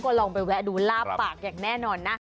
ก็ลองไปแวะดูลาบปากอย่างแน่นอนนะ